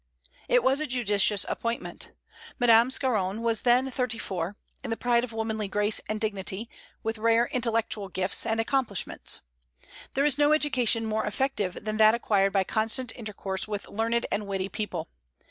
It was a judicious appointment. Madame Scarron was then thirty four, in the pride of womanly grace and dignity, with rare intellectual gifts and accomplishments. There is no education more effective than that acquired by constant intercourse with learned and witty people.